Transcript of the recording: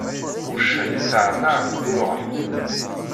Uccen iṭṭammaɛ deg ulɣem.